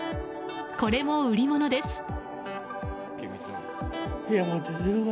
これも売り物です。